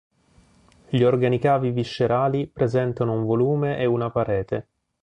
Gli organi cavi viscerali presentano un volume e una parete.